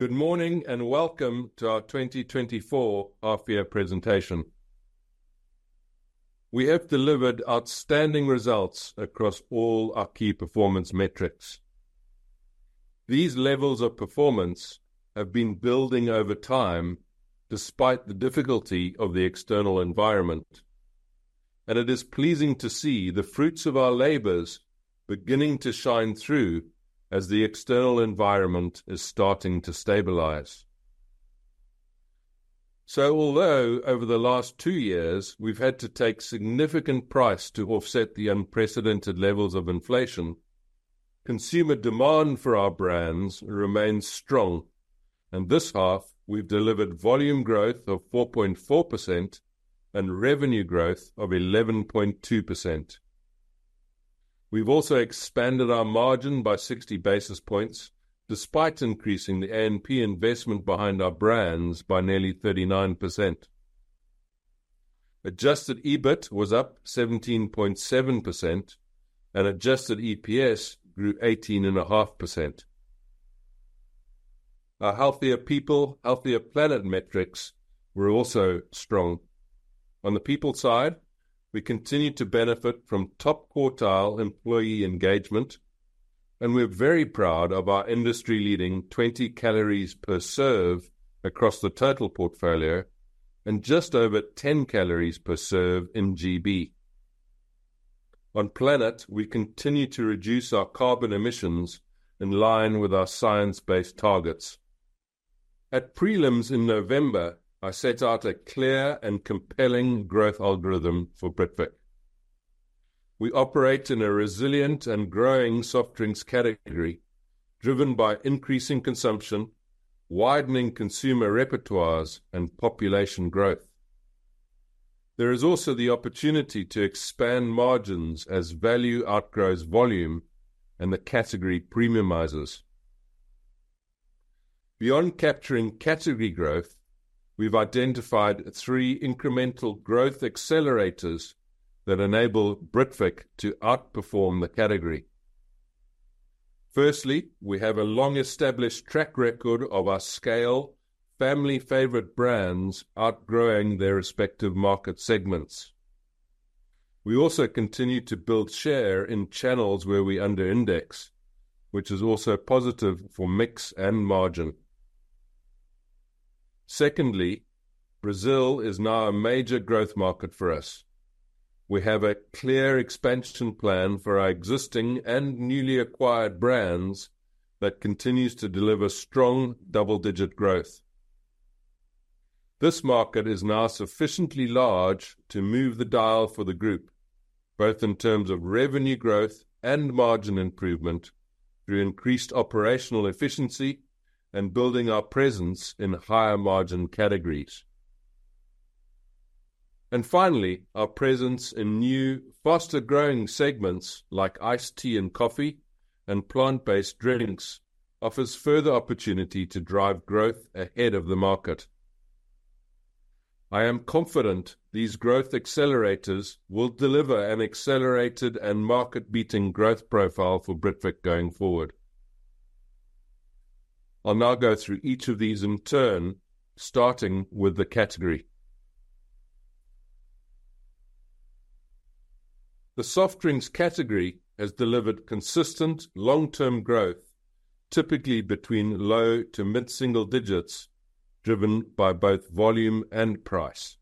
Good morning and welcome to our H1 2024 presentation. We have delivered outstanding results across all our key performance metrics. These levels of performance have been building over time despite the difficulty of the external environment, and it is pleasing to see the fruits of our labors beginning to shine through as the external environment is starting to stabilize. So although over the last two years we've had to take significant price to offset the unprecedented levels of inflation, consumer demand for our brands remains strong, and this half we've delivered volume growth of 4.4% and revenue growth of 11.2%. We've also expanded our margin by 60 basis points despite increasing the A&P investment behind our brands by nearly 39%. Adjusted EBIT was up 17.7%, and adjusted EPS grew 18.5%. Our Healthier People, Healthier Planet metrics were also strong. On the people side, we continue to benefit from top quartile employee engagement, and we're very proud of our industry-leading 20 calories per serve across the total portfolio and just over 10 calories per serve in GB. On planet, we continue to reduce our carbon emissions in line with our science-based targets. At Prelims in November, I set out a clear and compelling growth algorithm for Britvic. We operate in a resilient and growing soft drinks category, driven by increasing consumption, widening consumer repertoires, and population growth. There is also the opportunity to expand margins as value outgrows volume and the category premiumizes. Beyond capturing category growth, we've identified three incremental growth accelerators that enable Britvic to outperform the category. Firstly, we have a long-established track record of our scale family-favorite brands outgrowing their respective market segments. We also continue to build share in channels where we underindex, which is also positive for mix and margin. Secondly, Brazil is now a major growth market for us. We have a clear expansion plan for our existing and newly acquired brands that continues to deliver strong double-digit growth. This market is now sufficiently large to move the dial for the group, both in terms of revenue growth and margin improvement through increased operational efficiency and building our presence in higher-margin categories. And finally, our presence in new, faster-growing segments like iced tea and coffee, and plant-based drinks, offers further opportunity to drive growth ahead of the market. I am confident these growth accelerators will deliver an accelerated and market-beating growth profile for Britvic going forward. I'll now go through each of these in turn, starting with the category. The soft drinks category has delivered consistent long-term growth, typically between low- to mid-single digits, driven by both volume and price.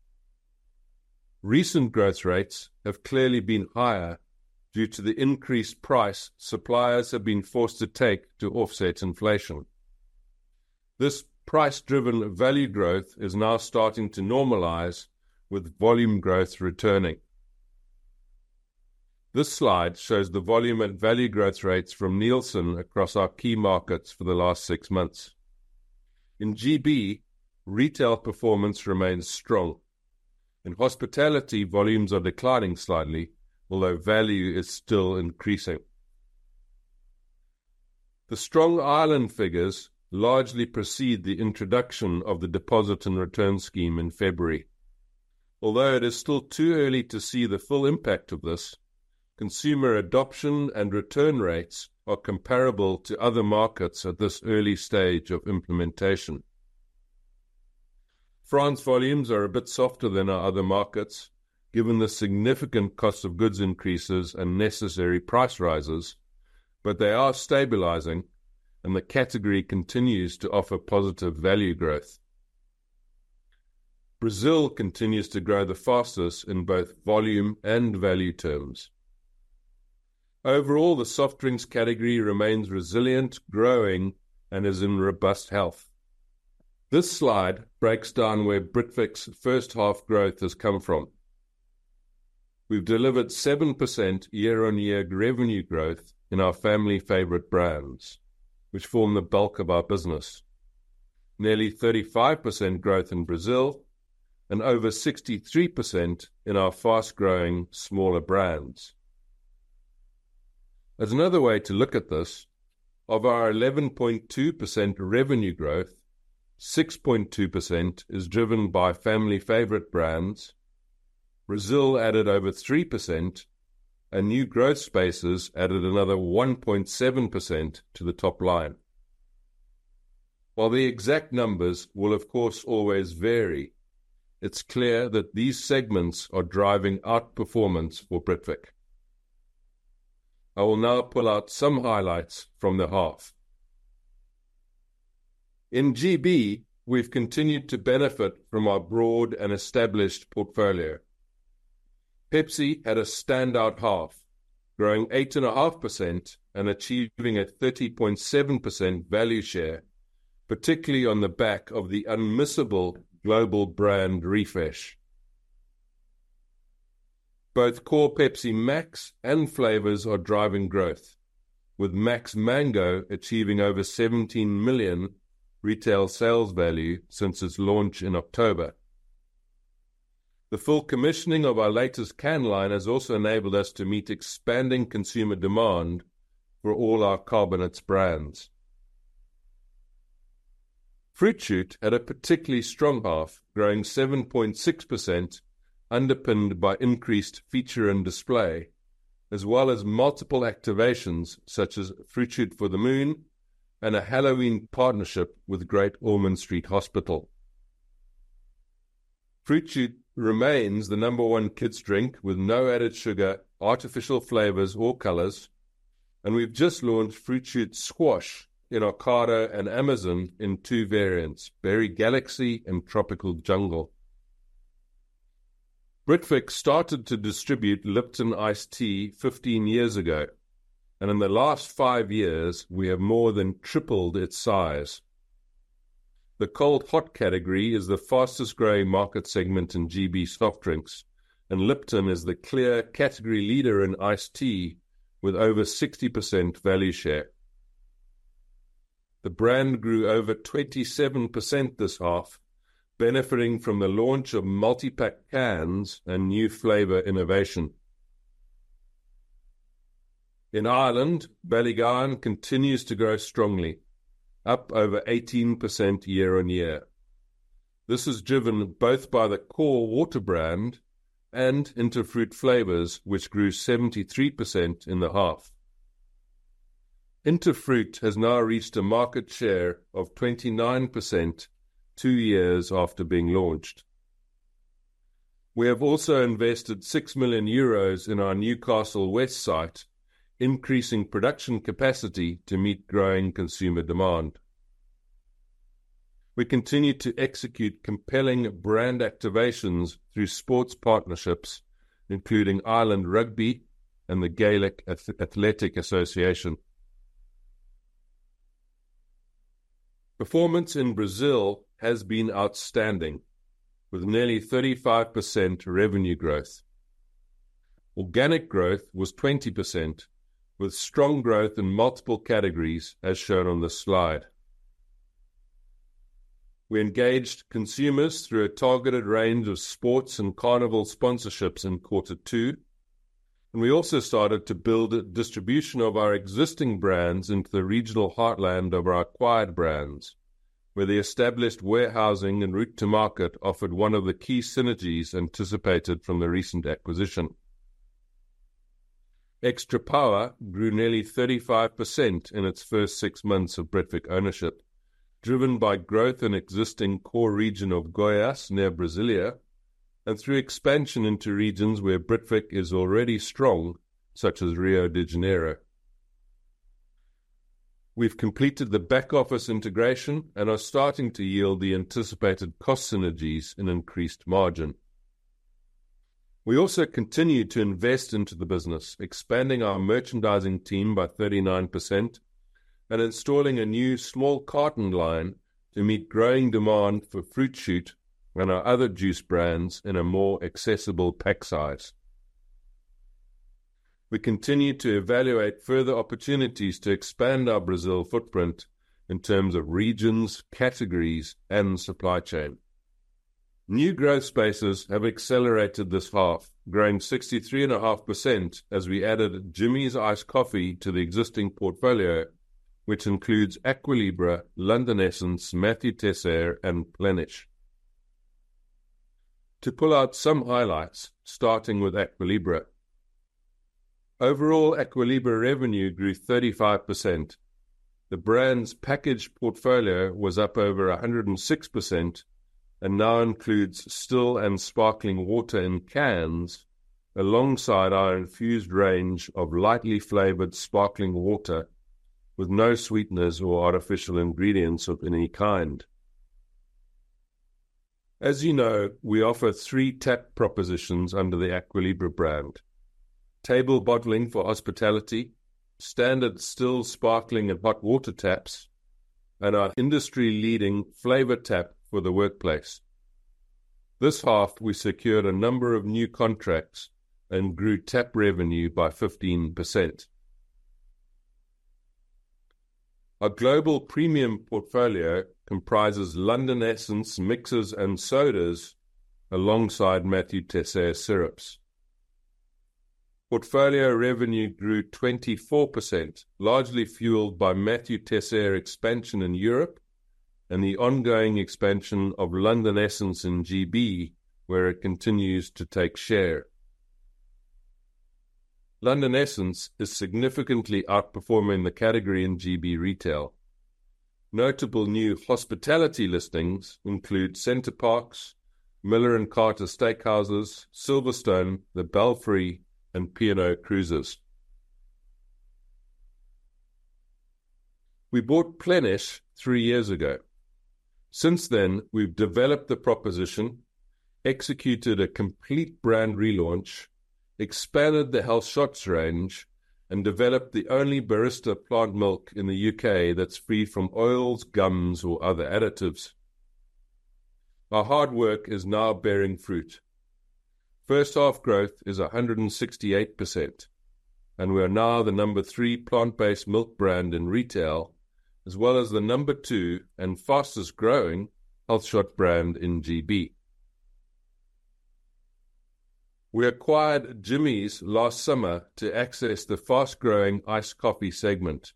Recent growth rates have clearly been higher due to the increased price suppliers have been forced to take to offset inflation. This price-driven value growth is now starting to normalize with volume growth returning. This slide shows the volume and value growth rates from Nielsen across our key markets for the last 6 months. In GB, retail performance remains strong, and hospitality volumes are declining slightly, although value is still increasing. The strong Ireland figures largely precede the introduction of the Deposit and Return Scheme in February. Although it is still too early to see the full impact of this, consumer adoption and return rates are comparable to other markets at this early stage of implementation. France volumes are a bit softer than our other markets, given the significant cost of goods increases and necessary price rises, but they are stabilizing and the category continues to offer positive value growth. Brazil continues to grow the fastest in both volume and value terms. Overall, the soft drinks category remains resilient, growing, and is in robust health. This slide breaks down where Britvic's first half growth has come from. We've delivered 7% year-on-year revenue growth in our family-favorite brands, which form the bulk of our business, nearly 35% growth in Brazil, and over 63% in our fast-growing smaller brands. As another way to look at this, of our 11.2% revenue growth, 6.2% is driven by family-favorite brands, Brazil added over 3%, and new growth spaces added another 1.7% to the top line. While the exact numbers will, of course, always vary, it's clear that these segments are driving outperformance for Britvic. I will now pull out some highlights from the half. In GB, we've continued to benefit from our broad and established portfolio. Pepsi had a standout half, growing 8.5% and achieving a 30.7% value share, particularly on the back of the unmissable global brand refresh. Both core Pepsi Max and flavours are driving growth, with Max Mango achieving over 17 million retail sales value since its launch in October. The full commissioning of our latest can line has also enabled us to meet expanding consumer demand for all our carbonate brands. Fruit Shoot had a particularly strong half, growing 7.6%, underpinned by increased feature and display, as well as multiple activations such as Fruit Shoot for the Moon and a Halloween partnership with Great Ormond Street Hospital. Fruit Shoot remains the number one kids' drink with no added sugar, artificial flavors, or colors, and we've just launched Fruit Shoot Squash in Ocado and Amazon in two variants, Berry Galaxy and Tropical Jungle. Britvic started to distribute Lipton Ice Tea 15 years ago, and in the last five years we have more than tripled its size. The cold-hot category is the fastest-growing market segment in GB soft drinks, and Lipton is the clear category leader in iced tea with over 60% value share. The brand grew over 27% this half, benefiting from the launch of multi-pack cans and new flavor innovation. In Ireland, Ballygowan continues to grow strongly, up over 18% year-on-year. This is driven both by the core water brand and Hint of Fruit flavors, which grew 73% in the half. Hint of Fruit has now reached a market share of 29% two years after being launched. We have also invested 6 million euros in our Newcastle West site, increasing production capacity to meet growing consumer demand. We continue to execute compelling brand activations through sports partnerships, including Ireland Rugby and the Gaelic Athletic Association. Performance in Brazil has been outstanding, with nearly 35% revenue growth. Organic growth was 20%, with strong growth in multiple categories, as shown on this slide. We engaged consumers through a targeted range of sports and carnival sponsorships in quarter two, and we also started to build distribution of our existing brands into the regional heartland of our acquired brands, where the established warehousing and route-to-market offered one of the key synergies anticipated from the recent acquisition. Extra Power grew nearly 35% in its first six months of Britvic ownership, driven by growth in existing core region of Goiás near Brasília, and through expansion into regions where Britvic is already strong, such as Rio de Janeiro. We've completed the back-office integration and are starting to yield the anticipated cost synergies in increased margin. We also continue to invest into the business, expanding our merchandising team by 39% and installing a new small carton line to meet growing demand for Fruit Shoot and our other juice brands in a more accessible pack size. We continue to evaluate further opportunities to expand our Brazil footprint in terms of regions, categories, and supply chain. New growth spaces have accelerated this half, growing 63.5% as we added Jimmy's Iced Coffee to the existing portfolio, which includes Aqua Libra, London Essence, Mathieu Teisseire, and Plenish. To pull out some highlights, starting with Aqua Libra. Overall, Aqua Libra revenue grew 35%. The brand's packaged portfolio was up over 106% and now includes still and sparkling water in cans, alongside our infused range of lightly flavored sparkling water with no sweeteners or artificial ingredients of any kind. As you know, we offer three tap propositions under the Aqua Libra brand: table bottling for hospitality, standard still, sparkling, and hot water taps, and our industry-leading flavor tap for the workplace. This half we secured a number of new contracts and grew tap revenue by 15%. Our global premium portfolio comprises London Essence, mixers, and sodas, alongside Mathieu Teisseire syrups. Portfolio revenue grew 24%, largely fueled by Mathieu Teisseire expansion in Europe and the ongoing expansion of London Essence in GB, where it continues to take share. London Essence is significantly outperforming the category in GB retail. Notable new hospitality listings include Center Parcs, Miller & Carter Steakhouses, Silverstone, The Belfry, and P&O Cruises. We bought Plenish 3 years ago. Since then, we've developed the proposition, executed a complete brand relaunch, expanded the Health Shots range, and developed the only barista plant milk in the U.K. that's free from oils, gums, or other additives. Our hard work is now bearing fruit. First half growth is 168%, and we are now the number three plant-based milk brand in retail, as well as the number two and fastest-growing Health Shots brand in GB. We acquired Jimmy's last summer to access the fast-growing iced coffee segment.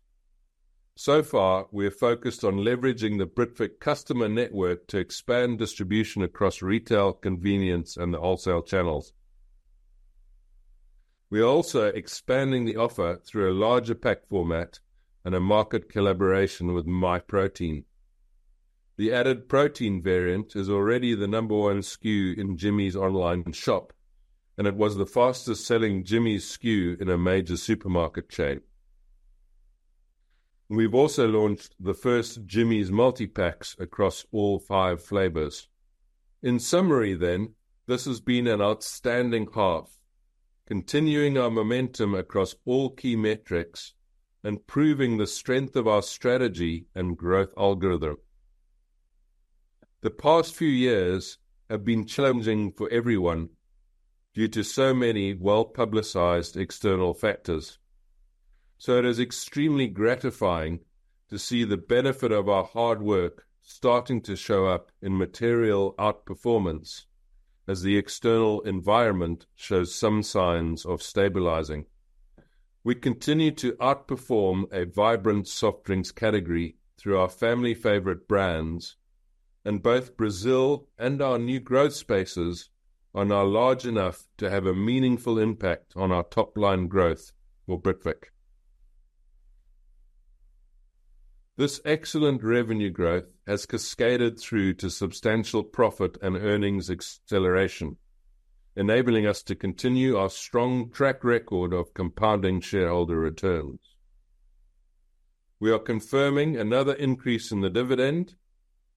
So far we are focused on leveraging the Britvic customer network to expand distribution across retail, convenience, and the wholesale channels. We are also expanding the offer through a larger pack format and a market collaboration with Myprotein. The added protein variant is already the number one SKU in Jimmy's online shop, and it was the fastest-selling Jimmy's SKU in a major supermarket chain. We've also launched the first Jimmy's multi-packs across all five flavors. In summary, then, this has been an outstanding half, continuing our momentum across all key metrics and proving the strength of our strategy and growth algorithm. The past few years have been challenging for everyone due to so many well-publicized external factors, so it is extremely gratifying to see the benefit of our hard work starting to show up in material outperformance, as the external environment shows some signs of stabilizing. We continue to outperform a vibrant soft drinks category through our family-favorite brands, and both Brazil and our new growth spaces are now large enough to have a meaningful impact on our top-line growth for Britvic. This excellent revenue growth has cascaded through to substantial profit and earnings acceleration, enabling us to continue our strong track record of compounding shareholder returns. We are confirming another increase in the dividend,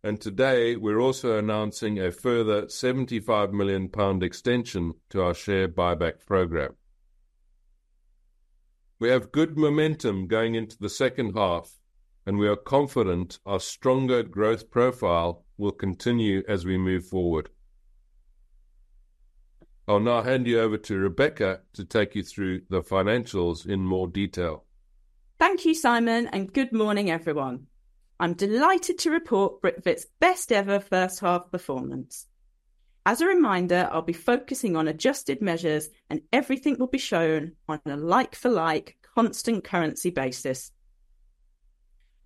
and today we're also announcing a further GBP 75 million extension to our share buyback program. We have good momentum going into the second half, and we are confident our stronger growth profile will continue as we move forward. I'll now hand you over to Rebecca to take you through the financials in more detail. Thank you, Simon, and good morning, everyone. I'm delighted to report Britvic's best-ever first half performance. As a reminder, I'll be focusing on adjusted measures, and everything will be shown on a like-for-like constant currency basis.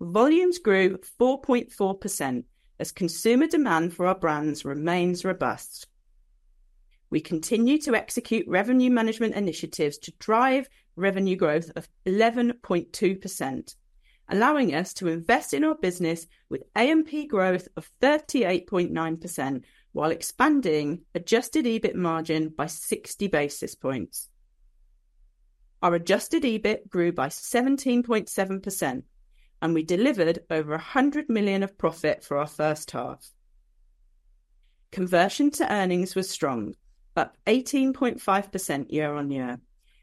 Volumes grew 4.4% as consumer demand for our brands remains robust. We continue to execute revenue management initiatives to drive revenue growth of 11.2%, allowing us to invest in our business with A&P growth of 38.9% while expanding adjusted EBIT margin by 60 basis points. Our adjusted EBIT grew by 17.7%, and we delivered over 100 million of profit for our first half. Conversion to earnings was strong, up 18.5% year-on-year,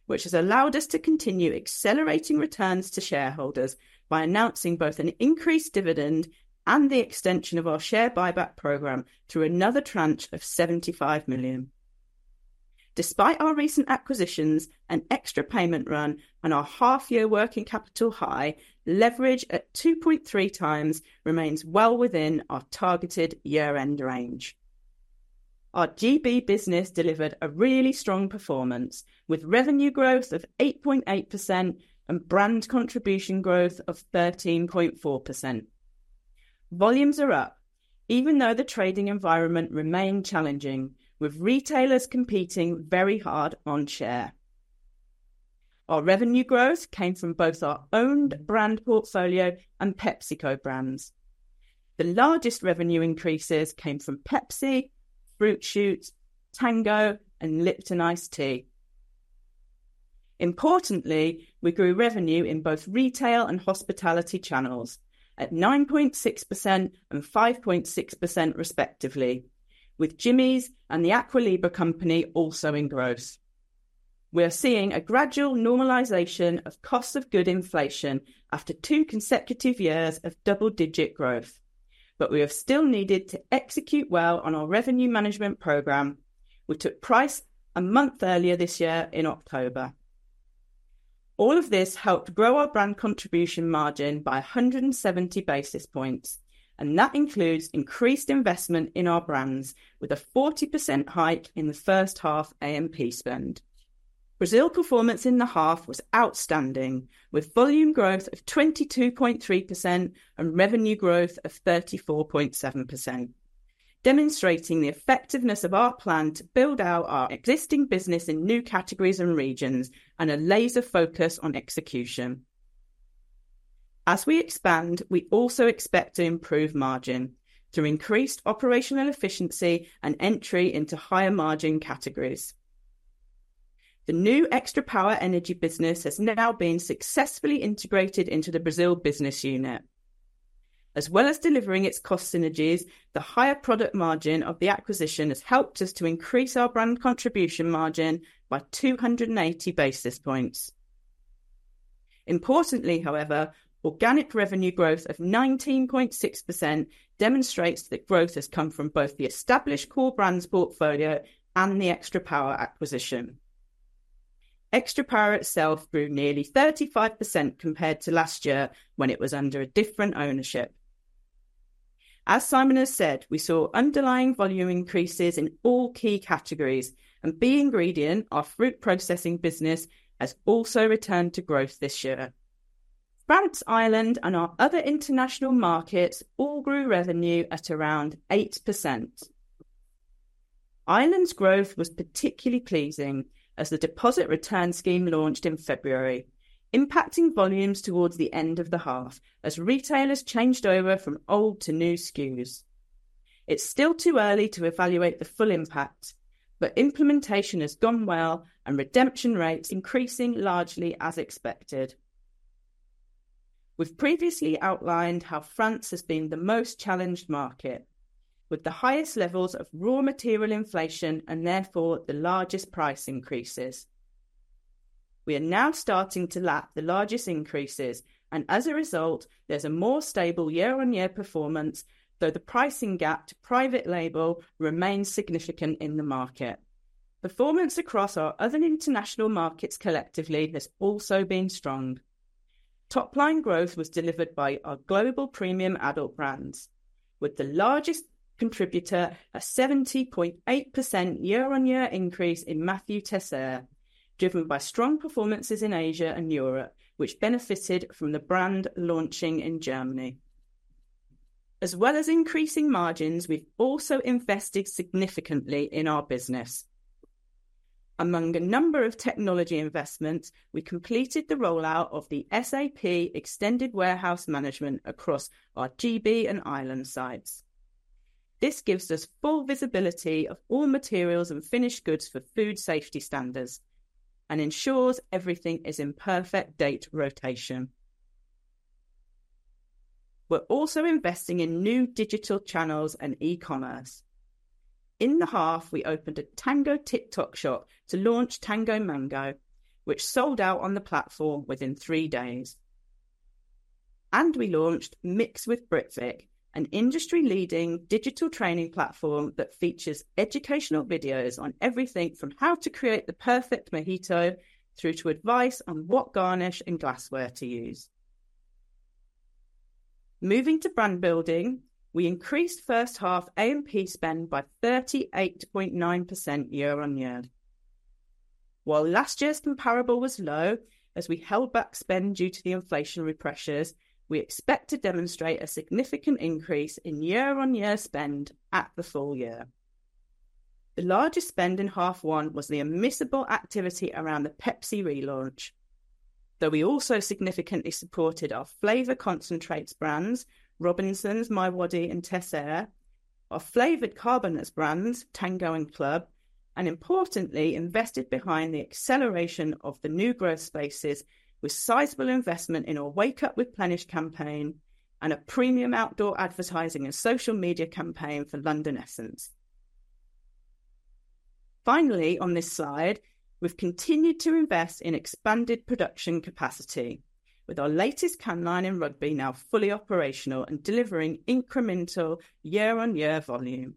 which has allowed us to continue accelerating returns to shareholders by announcing both an increased dividend and the extension of our share buyback program through another tranche of 75 million. Despite our recent acquisitions, an extra payment run, and our half-year working capital high, leverage at 2.3 times remains well within our targeted year-end range. Our GB business delivered a really strong performance, with revenue growth of 8.8% and brand contribution growth of 13.4%. Volumes are up, even though the trading environment remained challenging, with retailers competing very hard on share. Our revenue growth came from both our owned brand portfolio and PepsiCo brands. The largest revenue increases came from Pepsi, Fruit Shoot, Tango, and Lipton Ice Tea. Importantly, we grew revenue in both retail and hospitality channels at 9.6% and 5.6% respectively, with Jimmy's and the Aqua Libra company also in growth. We are seeing a gradual normalization of cost of goods inflation after two consecutive years of double-digit growth, but we have still needed to execute well on our revenue management program, which took price a month earlier this year in October. All of this helped grow our brand contribution margin by 170 basis points, and that includes increased investment in our brands, with a 40% hike in the first half A&P spend. Brazil performance in the half was outstanding, with volume growth of 22.3% and revenue growth of 34.7%, demonstrating the effectiveness of our plan to build out our existing business in new categories and regions and a laser focus on execution. As we expand, we also expect to improve margin through increased operational efficiency and entry into higher-margin categories. The new Extra Power energy business has now been successfully integrated into the Brazil business unit. As well as delivering its cost synergies, the higher product margin of the acquisition has helped us to increase our brand contribution margin by 280 basis points. Importantly, however, organic revenue growth of 19.6% demonstrates that growth has come from both the established core brands portfolio and the Extra Power acquisition. Extra Power itself grew nearly 35% compared to last year when it was under a different ownership. As Simon has said, we saw underlying volume increases in all key categories, and ingredients, our fruit processing business, has also returned to growth this year. France, Ireland and our other international markets all grew revenue at around 8%. Ireland's growth was particularly pleasing as the Deposit Return Scheme launched in February, impacting volumes towards the end of the half as retailers changed over from old to new SKUs. It's still too early to evaluate the full impact, but implementation has gone well and redemption rates are increasing largely as expected. We've previously outlined how France has been the most challenged market, with the highest levels of raw material inflation and therefore the largest price increases. We are now starting to lap the largest increases, and as a result, there's a more stable year-on-year performance, though the pricing gap to private label remains significant in the market. Performance across our other international markets collectively has also been strong. Top-line growth was delivered by our global premium adult brands, with the largest contributor a 70.8% year-over-year increase in Mathieu Teisseire, driven by strong performances in Asia and Europe, which benefited from the brand launching in Germany. As well as increasing margins, we've also invested significantly in our business. Among a number of technology investments, we completed the rollout of the SAP Extended Warehouse Management across our GB and Ireland sites. This gives us full visibility of all materials and finished goods for food safety standards and ensures everything is in perfect date rotation. We're also investing in new digital channels and e-commerce. In the half, we opened a Tango TikTok Shop to launch Tango Mango, which sold out on the platform within three days. We launched Mix with Britvic, an industry-leading digital training platform that features educational videos on everything from how to create the perfect mojito through to advice on what garnish and glassware to use. Moving to brand building, we increased first half A&P spend by 38.9% year-on-year. While last year's comparable was low as we held back spend due to the inflation pressures, we expect to demonstrate a significant increase in year-on-year spend at the full year. The largest spend in half one was the omnichannel activity around the Pepsi relaunch, though we also significantly supported our flavor concentrates brands, Robinsons, MiWadi, and Teisseire, our flavored carbonates brands, Tango and Club, and importantly, invested behind the acceleration of the new growth spaces with sizable investment in our Wake Up with Plenish campaign and a premium outdoor advertising and social media campaign for London Essence. Finally, on this slide, we've continued to invest in expanded production capacity, with our latest can line in Rugby now fully operational and delivering incremental year-on-year volume.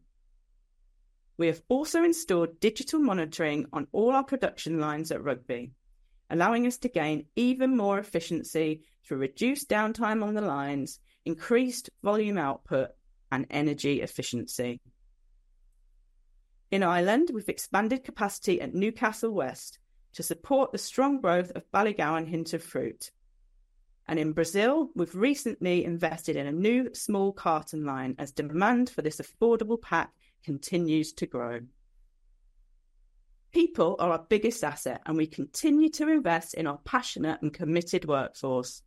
We have also installed digital monitoring on all our production lines at Rugby, allowing us to gain even more efficiency through reduced downtime on the lines, increased volume output, and energy efficiency. In Ireland, we've expanded capacity at Newcastle West to support the strong growth of Ballygowan Hint of Fruit. In Brazil, we've recently invested in a new small carton line as demand for this affordable pack continues to grow. People are our biggest asset, and we continue to invest in our passionate and committed workforce.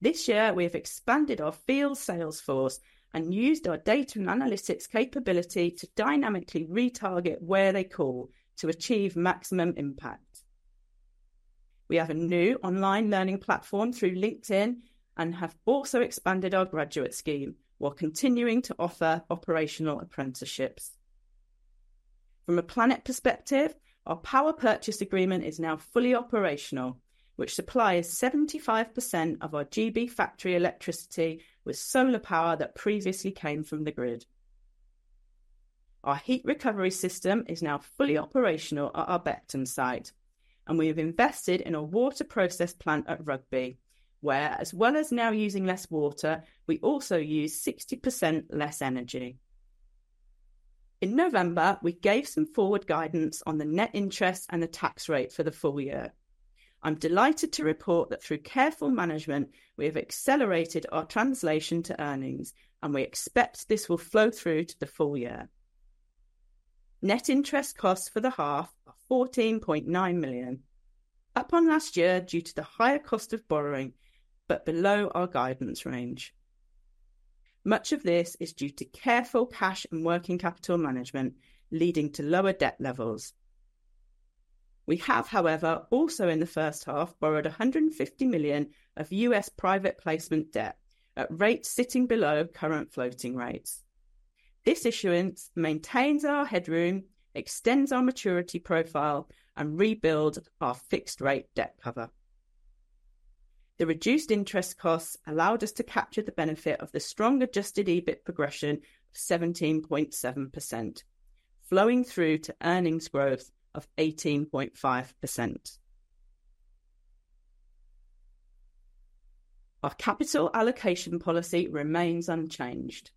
This year, we have expanded our field sales force and used our data and analytics capability to dynamically retarget where they call to achieve maximum impact. We have a new online learning platform through LinkedIn and have also expanded our graduate scheme while continuing to offer operational apprenticeships. From a planet perspective, our power purchase agreement is now fully operational, which supplies 75% of our GB factory electricity with solar power that previously came from the grid. Our heat recovery system is now fully operational at our Beckton site, and we have invested in our water process plant at Rugby, where, as well as now using less water, we also use 60% less energy. In November, we gave some forward guidance on the net interest and the tax rate for the full year. I'm delighted to report that through careful management, we have accelerated our translation to earnings, and we expect this will flow through to the full year. Net interest costs for the half are 14.9 million, up on last year due to the higher cost of borrowing, but below our guidance range. Much of this is due to careful cash and working capital management, leading to lower debt levels. We have, however, also in the first half, borrowed 150 million of U.S. private placement debt at rates sitting below current floating rates. This issuance maintains our headroom, extends our maturity profile, and rebuilds our fixed-rate debt cover. The reduced interest costs allowed us to capture the benefit of the strong adjusted EBIT progression of 17.7%, flowing through to earnings growth of 18.5%. Our capital allocation policy remains unchanged.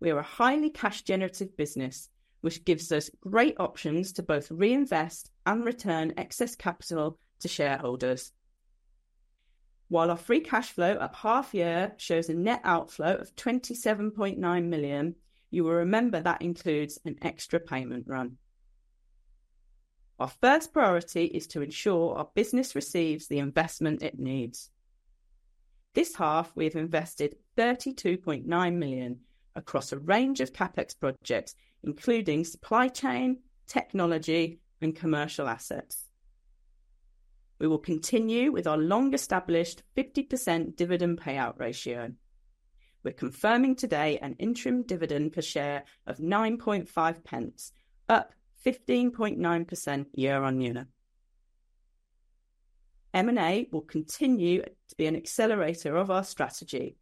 We are a highly cash-generative business, which gives us great options to both reinvest and return excess capital to shareholders. While our free cash flow for the half year shows a net outflow of 27.9 million, you will remember that includes an extra payment run. Our first priority is to ensure our business receives the investment it needs. This half, we have invested 32.9 million across a range of CapEx projects, including supply chain, technology, and commercial assets. We will continue with our long-established 50% dividend payout ratio. We're confirming today an interim dividend per share of 0.095, up 15.9% year-on-year. M&A will continue to be an accelerator of our strategy.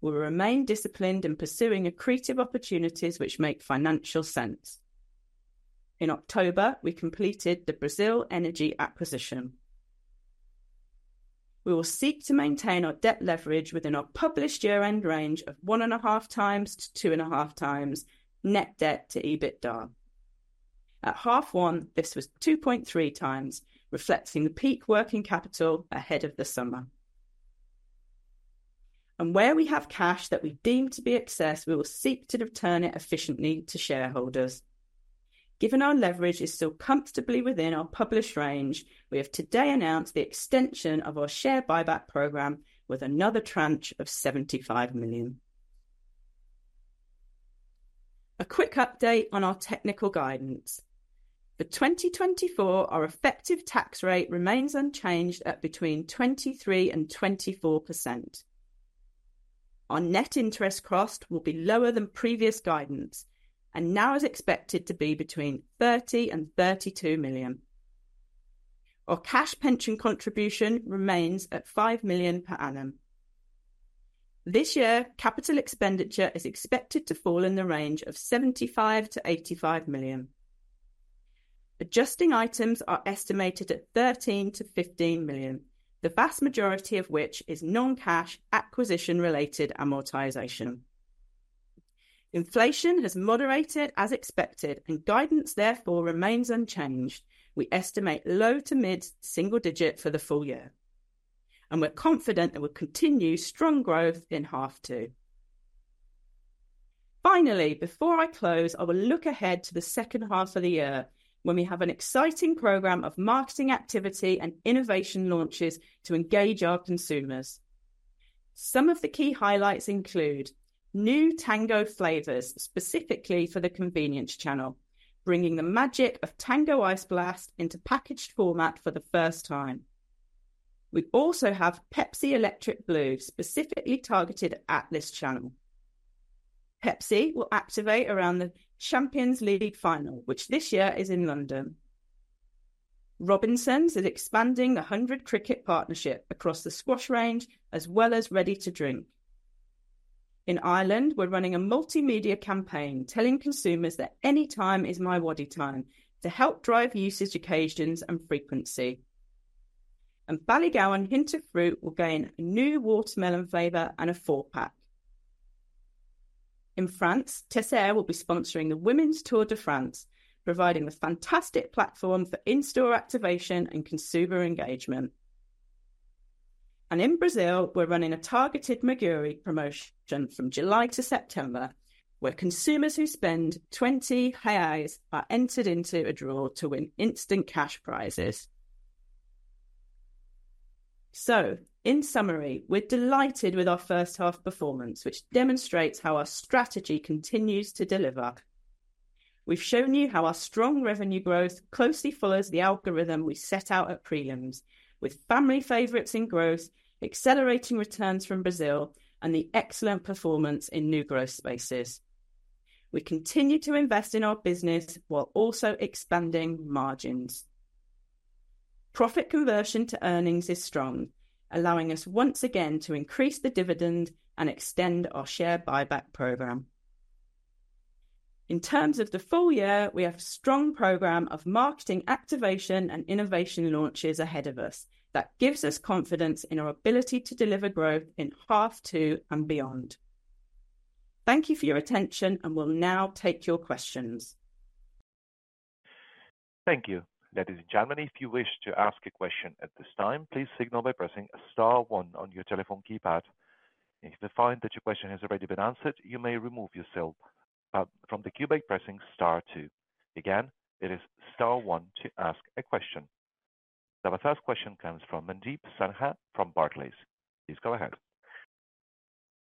We'll remain disciplined in pursuing accretive opportunities which make financial sense. In October, we completed the Brazil energy acquisition. We will seek to maintain our debt leverage within our published year-end range of 1.5-2.5 times net debt to EBITDA. At half one, this was 2.3 times, reflecting the peak working capital ahead of the summer. Where we have cash that we deem to be excess, we will seek to return it efficiently to shareholders. Given our leverage is still comfortably within our published range, we have today announced the extension of our share buyback program with another tranche of 75 million. A quick update on our technical guidance. For 2024, our effective tax rate remains unchanged at between 23%-24%. Our net interest cost will be lower than previous guidance and now is expected to be between 30 million-32 million. Our cash pension contribution remains at 5 million per annum. This year, capital expenditure is expected to fall in the range of 75-85 million. Adjusting items are estimated at 13-15 million, the vast majority of which is non-cash acquisition-related amortization. Inflation has moderated as expected and guidance therefore remains unchanged. We estimate low to mid single digit for the full year. We're confident there will continue strong growth in half two. Finally, before I close, I will look ahead to the second half of the year when we have an exciting program of marketing activity and innovation launches to engage our consumers. Some of the key highlights include new Tango flavors specifically for the convenience channel, bringing the magic of Tango Ice Blast into packaged format for the first time. We also have Pepsi Electric Blue specifically targeted at this channel. Pepsi will activate around the Champions League final, which this year is in London. Robinsons is expanding The Hundred cricket partnership across the squash range as well as ready to drink. In Ireland, we're running a multimedia campaign telling consumers that any time is MiWadi time to help drive usage occasions and frequency. Ballygowan Hint of Fruit will gain a new watermelon flavor and a four-pack. In France, Mathieu Teisseire will be sponsoring the Women's Tour de France, providing the fantastic platform for in-store activation and consumer engagement. In Brazil, we're running a targeted Maguary promotion from July to September, where consumers who spend 20 reais are entered into a draw to win instant cash prizes. So, in summary, we're delighted with our first half performance, which demonstrates how our strategy continues to deliver. We've shown you how our strong revenue growth closely follows the algorithm we set out at Prelims, with family favourites in growth, accelerating returns from Brazil, and the excellent performance in new growth spaces. We continue to invest in our business while also expanding margins. Profit conversion to earnings is strong, allowing us once again to increase the dividend and extend our share buyback program. In terms of the full year, we have a strong program of marketing activation and innovation launches ahead of us that gives us confidence in our ability to deliver growth in half two and beyond. Thank you for your attention and will now take your questions. Thank you. Ladies and gentlemen, if you wish to ask a question at this time, please signal by pressing a star one on your telephone keypad. If you find that your question has already been answered, you may remove yourself from the queue by pressing star two. Again, it is star one to ask a question. Our first question comes from Mandeep Sangha from Barclays. Please go ahead.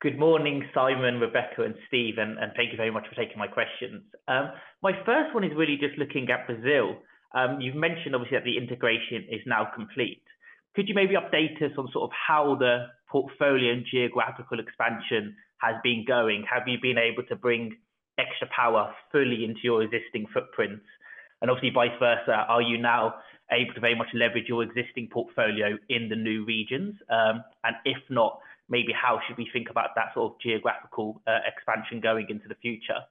Good morning, Simon, Rebecca, and Steve, and thank you very much for taking my questions. My first one is really just looking at Brazil. You've mentioned, obviously, that the integration is now complete. Could you maybe update us on sort of how the portfolio and geographical expansion has been going? Have you been able to bring Extra Power fully into your existing footprint? And obviously, vice versa, are you now able to very much leverage your existing portfolio in the new regions? And if not, maybe how should we think about that sort of ge ographical expansion going into the future?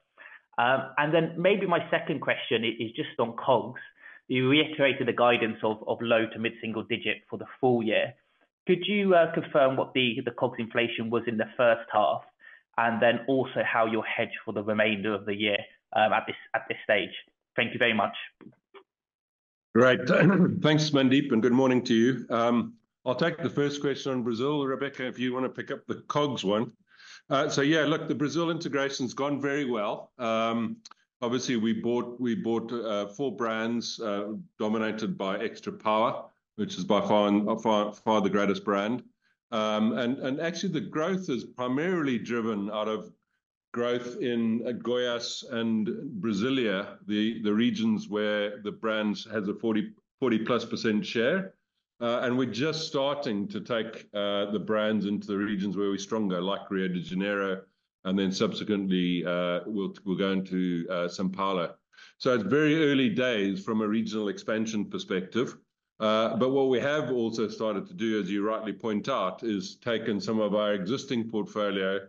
And then maybe my second question is just on COGS. You reiterated the guidance of low- to mid-single-digit for the full year. Could you confirm what the COGS inflation was in the first half and then also how you'll hedge for the remainder of the year at this stage? Thank you very much. Great. Thanks, Mandeep, and good morning to you. I'll take the first question on Brazil, Rebecca, if you want to pick up the COGS one. So yeah, look, the Brazil integration's gone very well. Obviously, we bought 4 brands dominated by Extra Power, which is by far the greatest brand. And actually, the growth is primarily driven out of growth in Goiás and Brasília, the regions where the brand has a 40%+ share. And we're just starting to take the brands into the regions where we're stronger, like Rio de Janeiro, and then subsequently, we're going to São Paulo. So it's very early days from a regional expansion perspective. But what we have also started to do, as you rightly point out, is taken some of our existing portfolio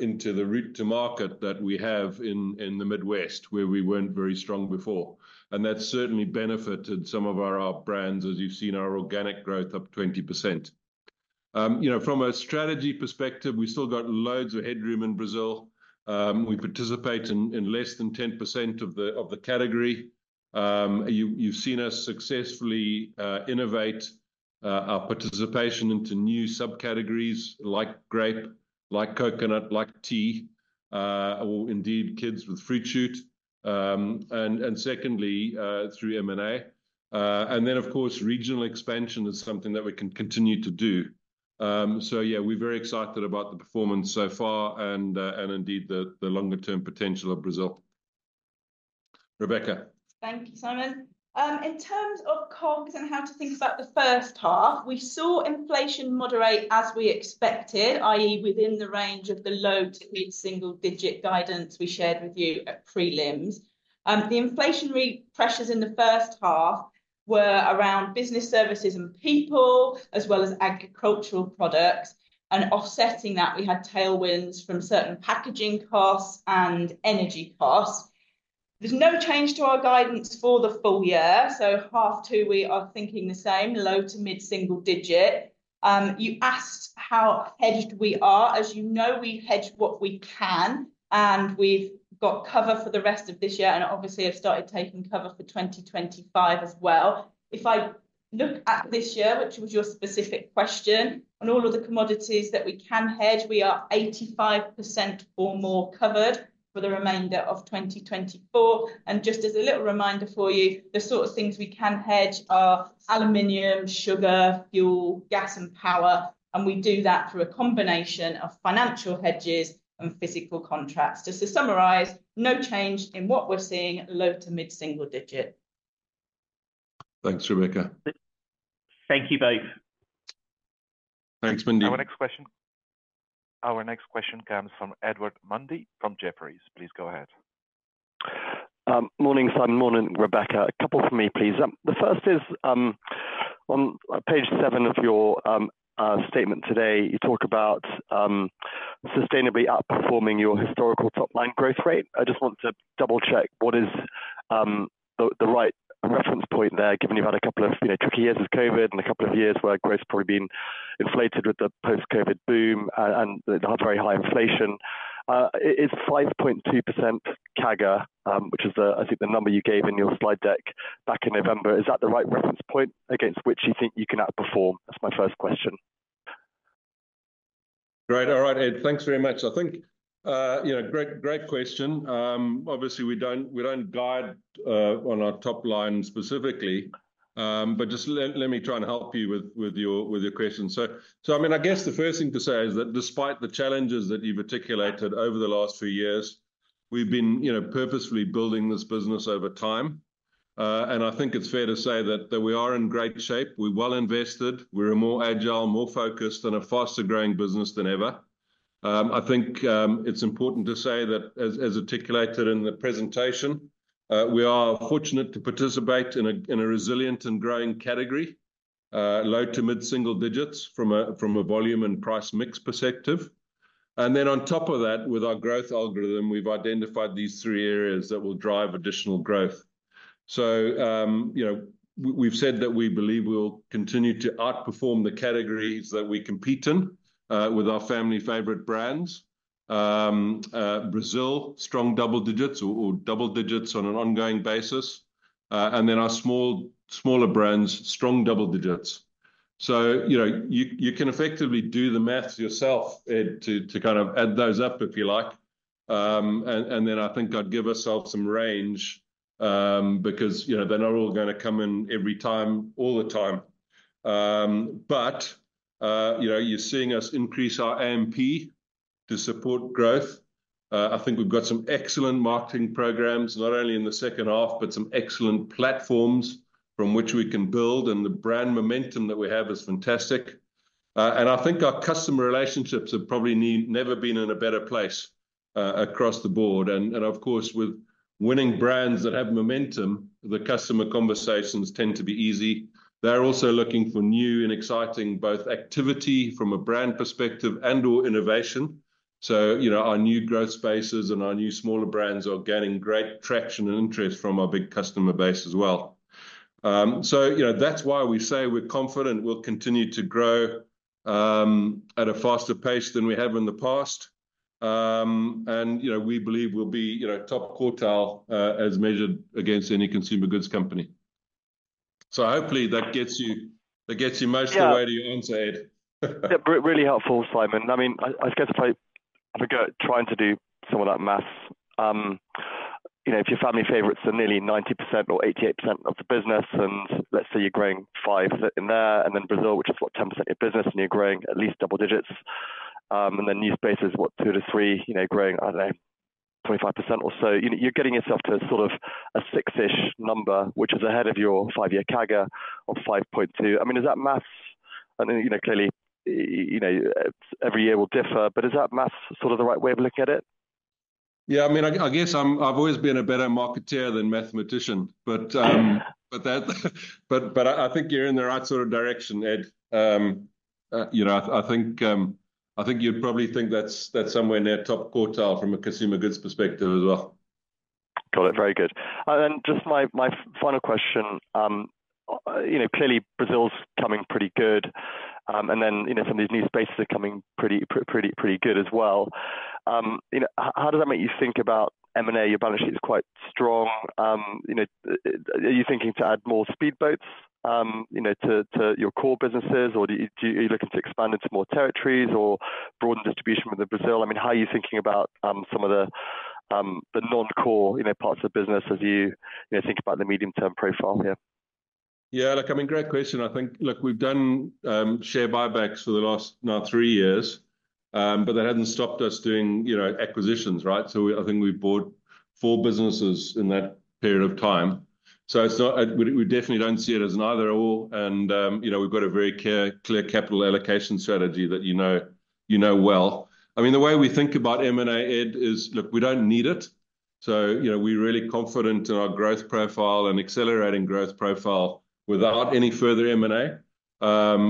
into the route to market that we have in the Midwest, where we weren't very strong before. And that's certainly benefited some of our brands, as you've seen, our organic growth up 20%. From a strategy perspective, we've still got loads of headroom in Brazil. We participate in less than 10% of the category. You've seen us successfully innovate our participation into new subcategories like grape, like coconut, like tea, or indeed kids with Fruit Shoot. And secondly, through M&A. And then, of course, regional expansion is something that we can continue to do. So yeah, we're very excited about the performance so far and indeed the longer-term potential of Brazil. Rebecca. Thank you, Simon. In terms of COGS and how to think about the first half, we saw inflation moderate as we expected, i.e., within the range of the low- to mid-single-digit guidance we shared with you at Prelims. The inflationary pressures in the first half were around business services and people, as well as agricultural products. Offsetting that, we had tailwinds from certain packaging costs and energy costs. There's no change to our guidance for the full year. Half two, we are thinking the same, low- to mid-single-digit. You asked how hedged we are. As you know, we hedge what we can, and we've got cover for the rest of this year, and obviously, have started taking cover for 2025 as well. If I look at this year, which was your specific question, on all of the commodities that we can hedge, we are 85% or more covered for the remainder of 2024. Just as a little reminder for you, the sort of things we can hedge are aluminum, sugar, fuel, gas, and power. And we do that through a combination of financial hedges and physical contracts. Just to summarize, no change in what we're seeing, low- to mid-single-digit. Thanks, Rebecca. Thank you both. Thanks, Mandeep. Our next question comes from Edward Mundy from Jefferies. Please go ahead. Morning, Simon. Morning, Rebecca. A couple from me, please. The first is, on page 7 of your statement today, you talk about sustainably outperforming your historical top-line growth rate. I just want to double-check what is the right reference point there, given you've had a couple of tricky years with COVID and a couple of years where growth's probably been inflated with the post-COVID boom and the very high inflation. It's 5.2% CAGR, which is, I think, the number you gave in your slide deck back in November. Is that the right reference point against which you think you can outperform? That's my first question. Great. All right, Ed. Thanks very much. I think great question. Obviously, we don't guide on our top line specifically, but just let me try and help you with your question. So, I mean, I guess the first thing to say is that despite the challenges that you've articulated over the last few years, we've been purposefully building this business over time. I think it's fair to say that we are in great shape. We're well invested. We're more agile, more focused, and a faster-growing business than ever. I think it's important to say that, as articulated in the presentation, we are fortunate to participate in a resilient and growing category, low- to mid-single digits from a volume and price mix perspective. Then on top of that, with our growth algorithm, we've identified these three areas that will drive additional growth. So we've said that we believe we'll continue to outperform the categories that we compete in with our family favorite brands. Brazil, strong double digits or double digits on an ongoing basis. And then our smaller brands, strong double digits. So you can effectively do the math yourself, Ed, to kind of add those up if you like. And then I think I'd give ourselves some range because they're not all going to come in every time, all the time. But you're seeing us increase our AMP to support growth. I think we've got some excellent marketing programs, not only in the second half, but some excellent platforms from which we can build, and the brand momentum that we have is fantastic. And I think our customer relationships have probably never been in a better place across the board. Of course, with winning brands that have momentum, the customer conversations tend to be easy. They're also looking for new and exciting both activity from a brand perspective and/or innovation. So our new growth spaces and our new smaller brands are gaining great traction and interest from our big customer base as well. So that's why we say we're confident we'll continue to grow at a faster pace than we have in the past. And we believe we'll be top quartile as measured against any consumer goods company. So hopefully, that gets you most of the way to your answer, Ed. Yeah, really helpful, Simon. I mean, I guess if I forget trying to do some of that math, if your family favourites are nearly 90% or 88% of the business, and let's say you're growing 5% in there, and then Brazil, which is what, 10% of your business, and you're growing at least double digits, and then new spaces, what, 2-3, growing, I don't know, 25% or so, you're getting yourself to sort of a 6-ish number, which is ahead of your five-year CAGR of 5.2. I mean, is that math? I mean, clearly, every year will differ, but is that math sort of the right way of looking at it? Yeah, I mean, I guess I've always been a better marketer than mathematician. But I think you're in the right sort of direction, Ed. I think you'd probably think that's somewhere near top quartile from a consumer goods perspective as well. Got it. Very good. And then just my final question. Clearly, Brazil's coming pretty good. And then some of these new spaces are coming pretty good as well. How does that make you think about M&A? Your balance sheet's quite strong. Are you thinking to add more speedboats to your core businesses, or are you looking to expand into more territories or broaden distribution within Brazil? I mean, how are you thinking about some of the non-core parts of business as you think about the medium-term profile here? Yeah, I mean, great question. I think we've done share buybacks for the last now three years, but that hasn't stopped us doing acquisitions, right? So I think we bought four businesses in that period of time. So we definitely don't see it as an either/or. And we've got a very clear capital allocation strategy that you know well. I mean, the way we think about M&A, Ed, is, look, we don't need it. So we're really confident in our growth profile and accelerating growth profile without any further M&A.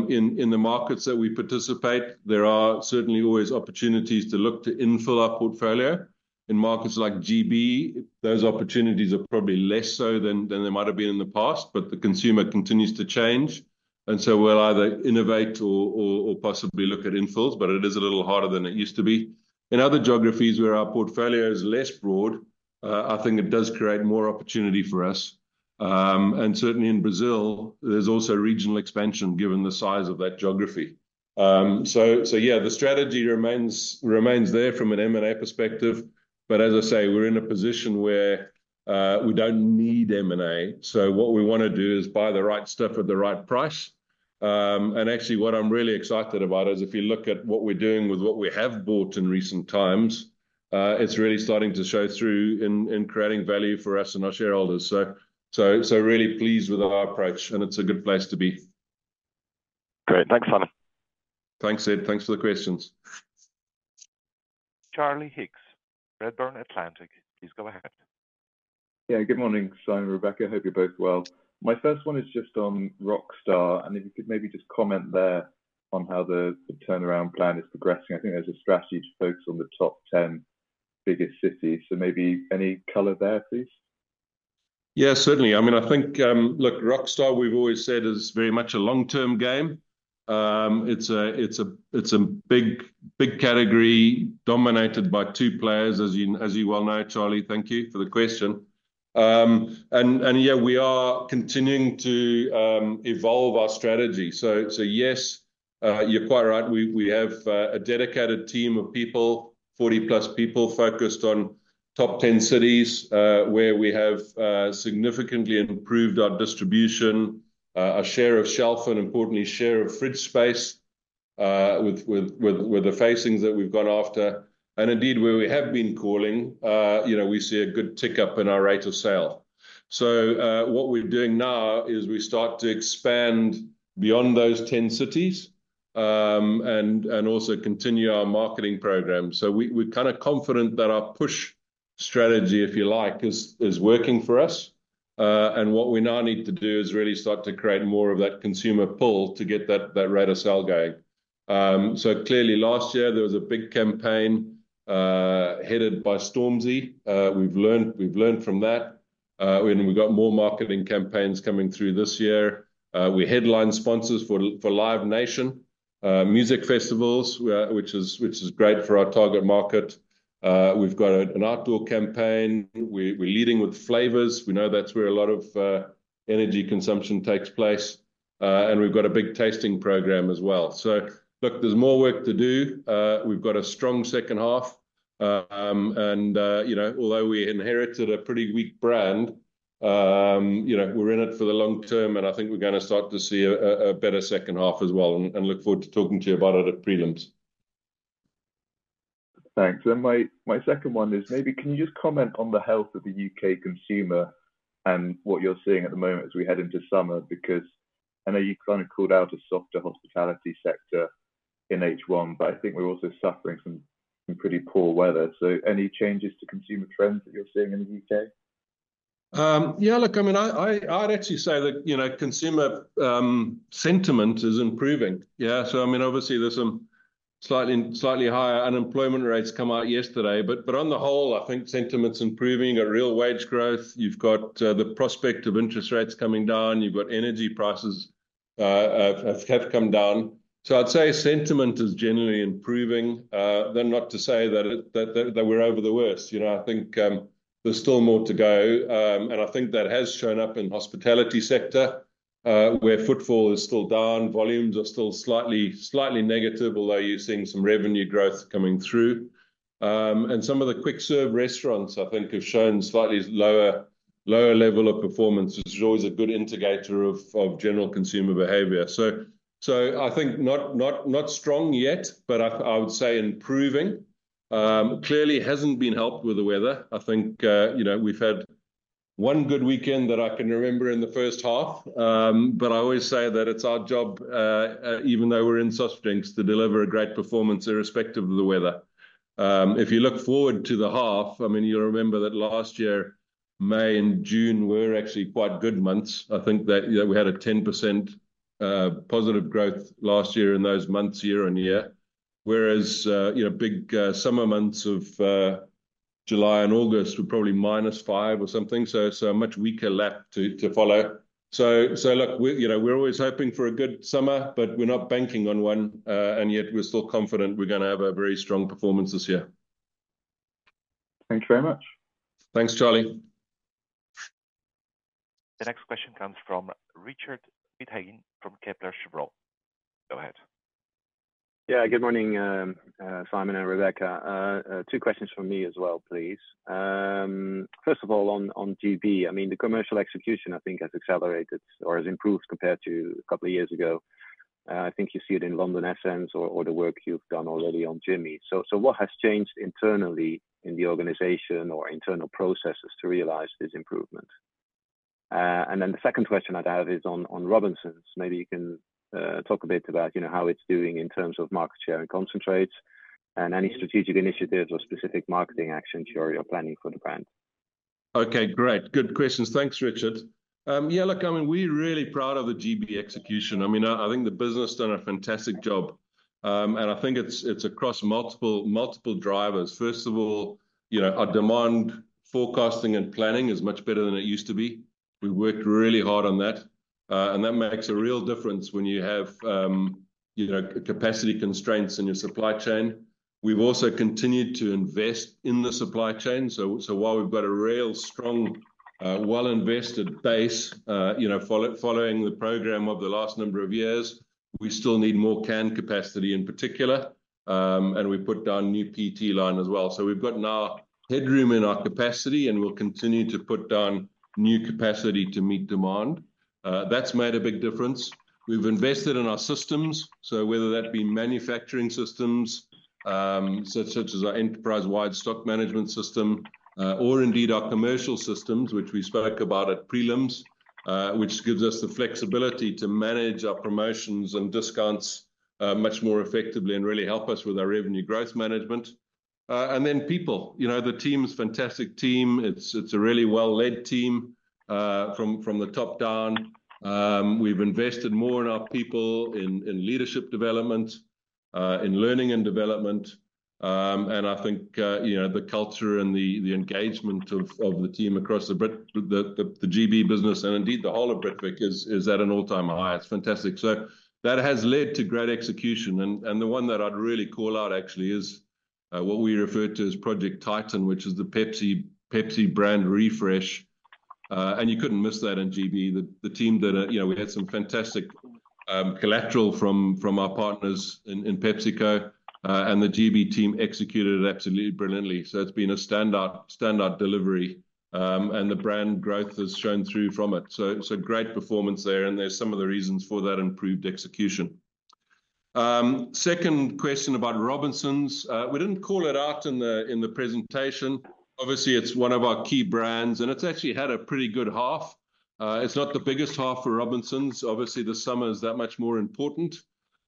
In the markets that we participate, there are certainly always opportunities to look to infill our portfolio. In markets like GB, those opportunities are probably less so than they might have been in the past. But the consumer continues to change. And so we'll either innovate or possibly look at infills, but it is a little harder than it used to be. In other geographies where our portfolio is less broad, I think it does create more opportunity for us. And certainly in Brazil, there's also regional expansion given the size of that geography. So yeah, the strategy remains there from an M&A perspective. But as I say, we're in a position where we don't need M&A. So what we want to do is buy the right stuff at the right price. And actually, what I'm really excited about is if you look at what we're doing with what we have bought in recent times, it's really starting to show through in creating value for us and our shareholders. So really pleased with our approach, and it's a good place to be. Great. Thanks, Simon. Thanks, Ed. Thanks for the questions. Charlie Higgs, Redburn Atlantic. Please go ahead. Yeah, good morning, Simon and Rebecca. Hope you're both well. My first one is just on Rockstar. And if you could maybe just comment there on how the turnaround plan is progressing. I think there's a strategy to focus on the top 10 biggest cities. So maybe any color there, please? Yeah, certainly. I mean, I think, look, Rockstar, we've always said, is very much a long-term game. It's a big category dominated by two players, as you well know, Charlie. Thank you for the question. And yeah, we are continuing to evolve our strategy. So yes, you're quite right. We have a dedicated team of people, 40-plus people, focused on top 10 cities where we have significantly improved our distribution, our share of shelf and importantly, share of fridge space with the facings that we've gone after. And indeed, where we have been calling, we see a good tick-up in our rate of sale. So what we're doing now is we start to expand beyond those 10 cities and also continue our marketing program. So we're kind of confident that our push strategy, if you like, is working for us. And what we now need to do is really start to create more of that consumer pull to get that rate of sale going. So clearly, last year, there was a big campaign headed by Stormzy. We've learned from that. And we've got more marketing campaigns coming through this year. We're headline sponsors for Live Nation music festivals, which is great for our target market. We've got an outdoor campaign. We're leading with flavors. We know that's where a lot of energy consumption takes place. And we've got a big tasting program as well. So look, there's more work to do. We've got a strong second half. And although we inherited a pretty weak brand, we're in it for the long term. And I think we're going to start to see a better second half as well and look forward to talking to you about it at Prelims. Thanks. And my second one is, maybe can you just comment on the health of the U.K. consumer and what you're seeing at the moment as we head into summer? Because I know you kind of called out a softer hospitality sector in H1, but I think we're also suffering some pretty poor weather. So any changes to consumer trends that you're seeing in the U.K.? Yeah, look, I mean, I'd actually say that consumer sentiment is improving. Yeah. So I mean, obviously, there's some slightly higher unemployment rates come out yesterday. But on the whole, I think sentiment's improving. Got real wage growth. You've got the prospect of interest rates coming down. You've got energy prices have come down. So I'd say sentiment is generally improving. They're not to say that we're over the worst. I think there's still more to go. I think that has shown up in the hospitality sector where footfall is still down. Volumes are still slightly negative, although you're seeing some revenue growth coming through. Some of the quick-serve restaurants, I think, have shown slightly lower level of performance, which is always a good indicator of general consumer behavior. So I think not strong yet, but I would say improving. Clearly, hasn't been helped with the weather. I think we've had one good weekend that I can remember in the first half. I always say that it's our job, even though we're in soft drinks, to deliver a great performance irrespective of the weather. If you look forward to the half, I mean, you'll remember that last year, May and June were actually quite good months. I think that we had 10% positive growth last year in those months, year-on-year. Whereas big summer months of July and August were probably -5% or something. So a much weaker lap to follow. So look, we're always hoping for a good summer, but we're not banking on one. And yet, we're still confident we're going to have a very strong performance this year. Thanks very much. Thanks, Charlie. The next question comes from Richard Withagen from Kepler Cheuvreux. Go ahead. Yeah, good morning, Simon and Rebecca. Two questions from me as well, please. First of all, on GB, I mean, the commercial execution, I think, has accelerated or has improved compared to a couple of years ago. I think you see it in London Essence or the work you've done already on Jimmy. So what has changed internally in the organization or internal processes to realize this improvement? And then the second question I'd have is on Robinsons. Maybe you can talk a bit about how it's doing in terms of market share and concentrates and any strategic initiatives or specific marketing actions you're planning for the brand. Okay, great. Good questions. Thanks, Richard. Yeah, look, I mean, we're really proud of the GB execution. I mean, I think the business has done a fantastic job. And I think it's across multiple drivers. First of all, our demand forecasting and planning is much better than it used to be. We've worked really hard on that. And that makes a real difference when you have capacity constraints in your supply chain. We've also continued to invest in the supply chain. So while we've got a real strong, well-invested base following the program of the last number of years, we still need more can capacity in particular. And we put down new PET line as well. So we've got now headroom in our capacity, and we'll continue to put down new capacity to meet demand. That's made a big difference. We've invested in our systems. So whether that be manufacturing systems such as our enterprise-wide stock management system or indeed our commercial systems, which we spoke about at Prelims, which gives us the flexibility to manage our promotions and discounts much more effectively and really help us with our revenue growth management. And then people. The team's fantastic team. It's a really well-led team from the top down. We've invested more in our people, in leadership development, in learning and development. And I think the culture and the engagement of the team across the GB business and indeed the whole of Britvic is at an all-time high. It's fantastic. So that has led to great execution. And the one that I'd really call out, actually, is what we refer to as Project Titan, which is the Pepsi brand refresh. And you couldn't miss that in GB. The team that we had some fantastic collateral from our partners in PepsiCo. And the GB team executed it absolutely brilliantly. So it's been a standard delivery. And the brand growth has shown through from it. So great performance there. And there's some of the reasons for that improved execution. Second question about Robinsons. We didn't call it out in the presentation. Obviously, it's one of our key brands. And it's actually had a pretty good half. It's not the biggest half for Robinsons. Obviously, the summer is that much more important.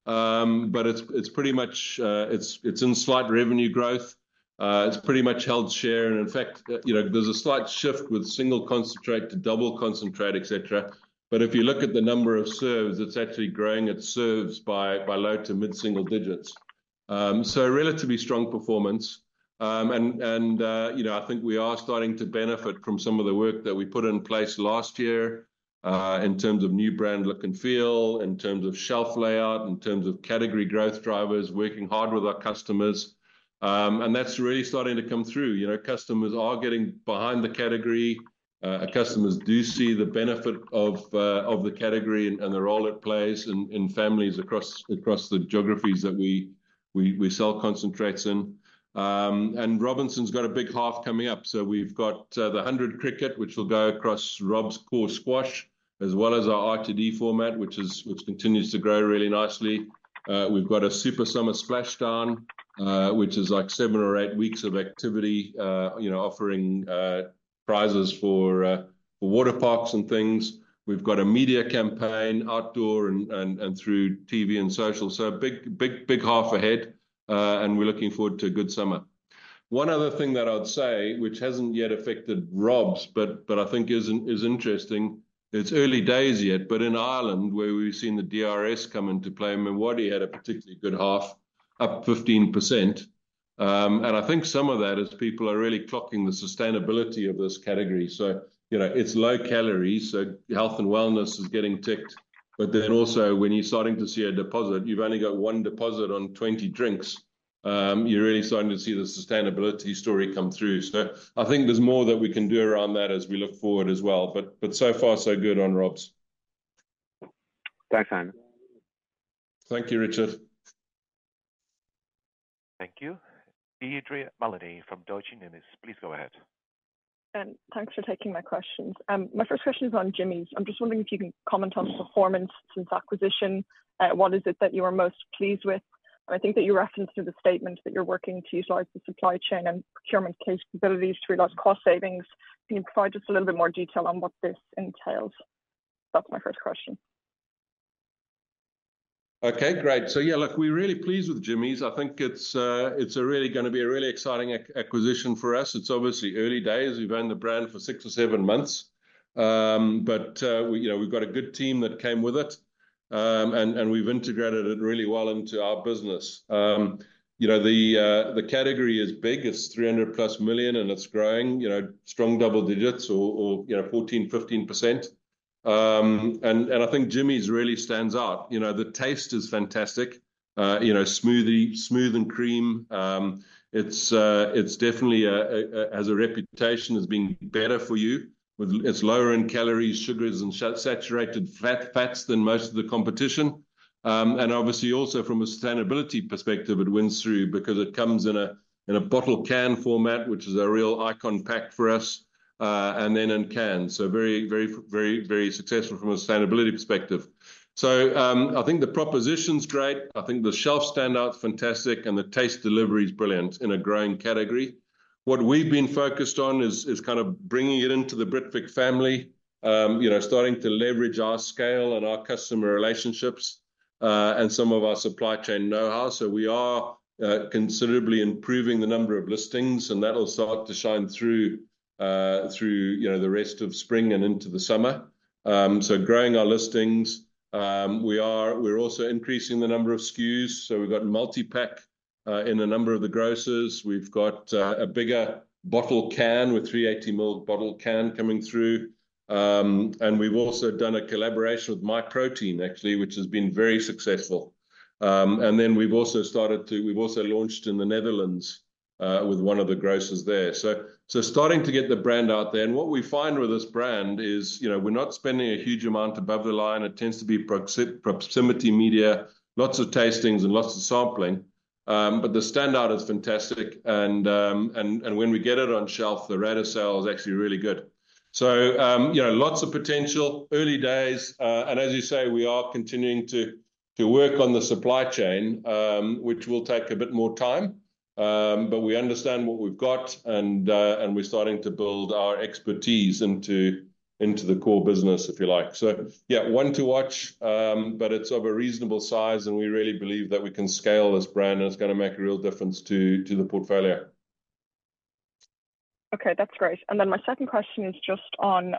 But it's in slight revenue growth. It's pretty much held share. And in fact, there's a slight shift with single concentrate to double concentrate, etc. But if you look at the number of serves, it's actually growing. It serves by low- to mid-single digits. So relatively strong performance. And I think we are starting to benefit from some of the work that we put in place last year in terms of new brand look and feel, in terms of shelf layout, in terms of category growth drivers, working hard with our customers. And that's really starting to come through. Customers are getting behind the category. Customers do see the benefit of the category and the role it plays in families across the geographies that we sell concentrates in. And Robinsons got a big half coming up. So we've got The Hundred cricket, which will go across Robinsons' core squash, as well as our RTD format, which continues to grow really nicely. We've got a Super Summer Splashdown, which is like 7 or 8 weeks of activity offering prizes for waterparks and things. We've got a media campaign outdoor and through TV and social. So big, big half ahead. And we're looking forward to a good summer. One other thing that I'd say, which hasn't yet affected Robinsons, but I think is interesting, it's early days yet. But in Ireland, where we've seen the DRS come into play, MiWadi had a particularly good half, up 15%. And I think some of that is people are really clocking the sustainability of this category. So it's low calories. So health and wellness is getting ticked. But then also, when you're starting to see a deposit, you've only got one deposit on 20 drinks. You're really starting to see the sustainability story come through. So I think there's more that we can do around that as we look forward as well. But so far, so good on Robinsons. Thanks, Simon. Thank you, Richard. Thank you. Deirdre Mullaly from Deutsche Numis. Please go ahead. Thanks for taking my questions. My first question is on Jimmy's. I'm just wondering if you can comment on performance since acquisition. What is it that you are most pleased with? And I think that you referenced in the statement that you're working to utilize the supply chain and procurement capabilities to realize cost savings. Can you provide just a little bit more detail on what this entails? That's my first question. Okay, great. So yeah, look, we're really pleased with Jimmy's. I think it's really going to be a really exciting acquisition for us. It's obviously early days. We've owned the brand for six or seven months. But we've got a good team that came with it. And we've integrated it really well into our business. The category is big. It's 300+ million, and it's growing. Strong double digits or 14%-15%. And I think Jimmy's really stands out. The taste is fantastic. Smooth and cream. It definitely has a reputation as being better for you. It's lower in calories, sugars, and saturated fats than most of the competition. And obviously, also from a sustainability perspective, it wins through because it comes in a BottleCan format, which is a real icon pack for us, and then in can. So very, very, very, very successful from a sustainability perspective. So I think the proposition's great. I think the shelf standout's fantastic. And the taste delivery's brilliant in a growing category. What we've been focused on is kind of bringing it into the Britvic family, starting to leverage our scale and our customer relationships and some of our supply chain know-how. So we are considerably improving the number of listings. And that'll start to shine through the rest of spring and into the summer. So growing our listings. We're also increasing the number of SKUs. So we've got multi-pack in a number of the grocers. We've got a bigger BottleCan with 380 ml BottleCan coming through. And we've also done a collaboration with Myprotein, actually, which has been very successful. And then we've also launched in the Netherlands with one of the grocers there. So starting to get the brand out there. And what we find with this brand is we're not spending a huge amount above the line. It tends to be proximity media, lots of tastings, and lots of sampling. But the standout is fantastic. And when we get it on shelf, the rate of sale is actually really good. So lots of potential, early days. And as you say, we are continuing to work on the supply chain, which will take a bit more time. But we understand what we've got. And we're starting to build our expertise into the core business, if you like. So yeah, one to watch. But it's of a reasonable size. And we really believe that we can scale this brand. And it's going to make a real difference to the portfolio. Okay, that's great. And then my second question is just on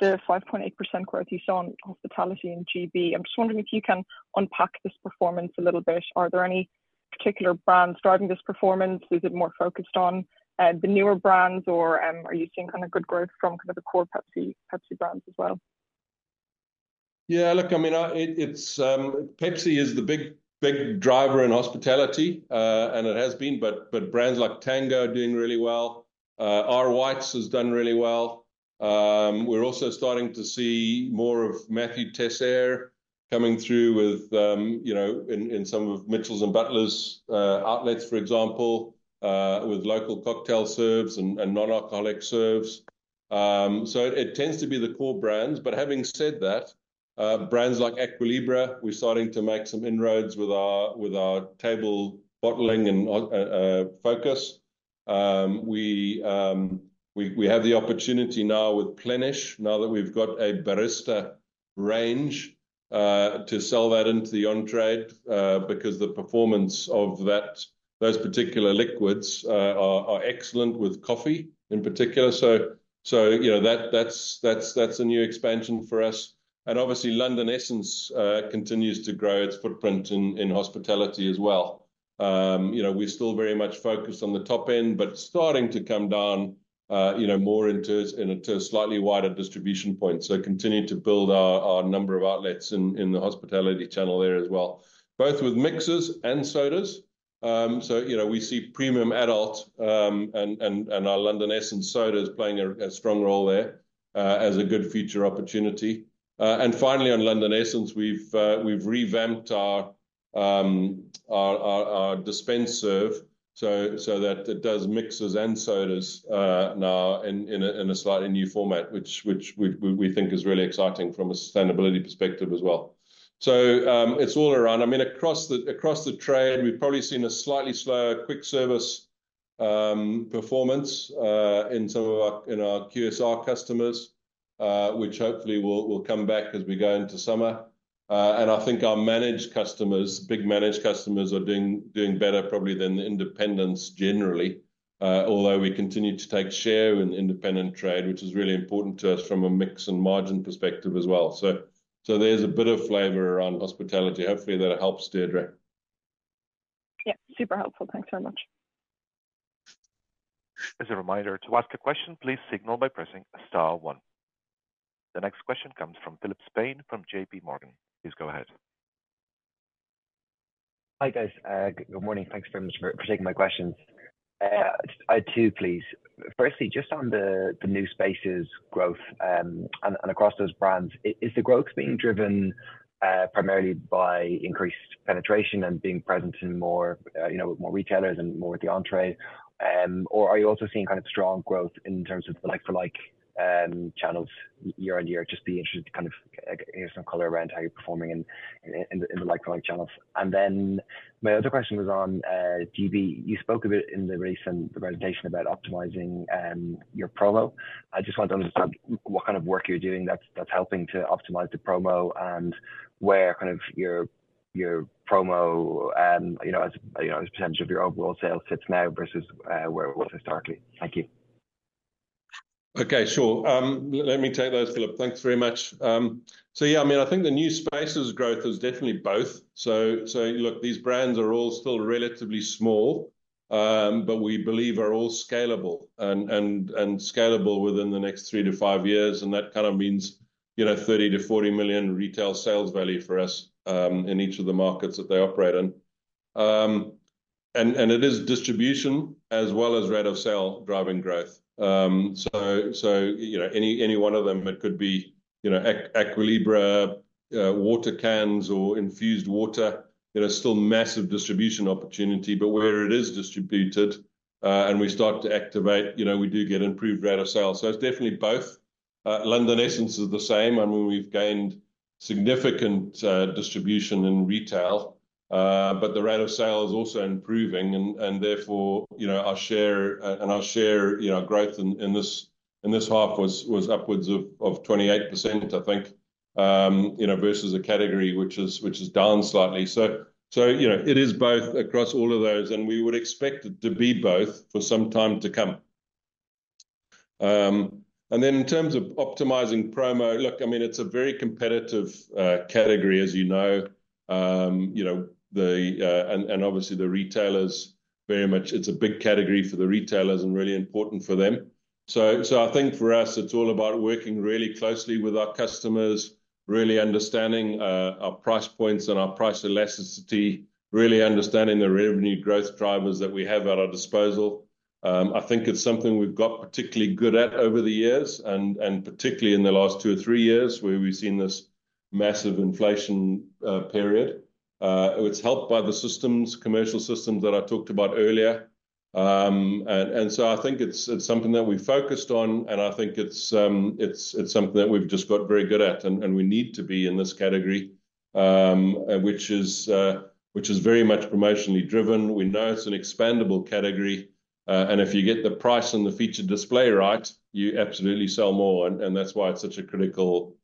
the 5.8% growth you saw on hospitality in GB. I'm just wondering if you can unpack this performance a little bit. Are there any particular brands driving this performance? Is it more focused on the newer brands, or are you seeing kind of good growth from kind of the core Pepsi brands as well? Yeah, look, I mean, Pepsi is the big driver in hospitality. And it has been. But brands like Tango are doing really well. R. White's has done really well. We're also starting to see more of Mathieu Teisseire coming through in some of Mitchells & Butlers outlets, for example, with local cocktail serves and non-alcoholic serves. So it tends to be the core brands. But having said that, brands like Aqua Libra, we're starting to make some inroads with our table bottling and focus. We have the opportunity now with Plenish, now that we've got a barista range, to sell that into the on-trade because the performance of those particular liquids are excellent with coffee in particular. So that's a new expansion for us. Obviously, London Essence continues to grow its footprint in hospitality as well. We're still very much focused on the top end, but starting to come down more in a slightly wider distribution point. Continue to build our number of outlets in the hospitality channel there as well, both with mixers and sodas. We see premium adult and our London Essence sodas playing a strong role there as a good future opportunity. Finally, on London Essence, we've revamped our dispense serve so that it does mixers and sodas now in a slightly new format, which we think is really exciting from a sustainability perspective as well. It's all around. I mean, across the trade, we've probably seen a slightly slower quick service performance in some of our QSR customers, which hopefully will come back as we go into summer. And I think our managed customers, big managed customers, are doing better probably than the independents generally, although we continue to take share in the independent trade, which is really important to us from a mix and margin perspective as well. So there's a bit of flavour around hospitality. Hopefully, that helps, Deirdre. Yep, super helpful. Thanks very much. As a reminder, to ask a question, please signal by pressing star one. The next question comes from Philip Lane from JPMorgan. Please go ahead. Hi, guys. Good morning. Thanks very much for taking my questions. 2, please. Firstly, just on the new spaces growth and across those brands, is the growth being driven primarily by increased penetration and being present in more retailers and more at the entry? Or are you also seeing kind of strong growth in terms of the like-for-like channels year-on-year? just be interested to kind of hear some color around how you're performing in the like-for-like channels. And then my other question was on GB. You spoke a bit in the recent presentation about optimizing your promo. I just want to understand what kind of work you're doing that's helping to optimize the promo and where kind of your promo as a percentage of your overall sales sits now versus where it was historically. Thank you. Okay, sure. Let me take those, Philip. Thanks very much. So yeah, I mean, I think the new spaces growth is definitely both. So look, these brands are all still relatively small, but we believe are all scalable and scalable within the next three to five years. And that kind of means 30-40 million retail sales value for us in each of the markets that they operate in. It is distribution as well as rate of sale driving growth. So any one of them, it could be Aqua Libra, water cans, or infused water, still massive distribution opportunity. But where it is distributed and we start to activate, we do get improved rate of sale. So it's definitely both. London Essence is the same. I mean, we've gained significant distribution in retail. But the rate of sale is also improving. And therefore, our share and our share growth in this half was upwards of 28%, I think, versus a category which has declined slightly. So it is both across all of those. And we would expect it to be both for some time to come. And then in terms of optimizing promo, look, I mean, it's a very competitive category, as you know. Obviously, the retailers very much—it's a big category for the retailers and really important for them. So I think for us, it's all about working really closely with our customers, really understanding our price points and our price elasticity, really understanding the revenue growth drivers that we have at our disposal. I think it's something we've got particularly good at over the years, and particularly in the last two or three years where we've seen this massive inflation period. It's helped by the systems, commercial systems that I talked about earlier. So I think it's something that we focused on. I think it's something that we've just got very good at. We need to be in this category, which is very much promotionally driven. We know it's an expandable category. And if you get the price and the feature display right, you absolutely sell more. And that's why it's such a critical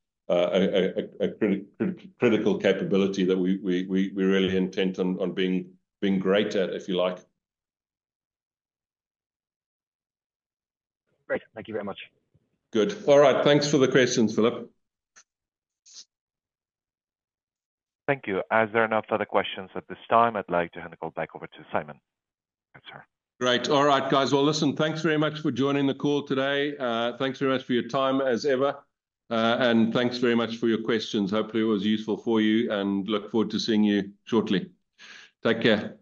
capability that we really intend on being great at, if you like. Great. Thank you very much. Good. All right. Thanks for the questions, Philip. Thank you. As there are no further questions at this time, I'd like to hand the call back over to Simon. Great. All right, guys. Well, listen, thanks very much for joining the call today. Thanks very much for your time, as ever. Thanks very much for your questions. Hopefully, it was useful for you. And look forward to seeing you shortly. Take care.